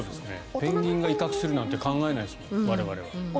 ペンギンが威嚇するなんて考えないですもん、我々。